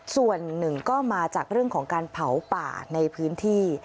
ส่วนหนึ่งก็มาจากเรื่องของการเผาป่าในพื้นที่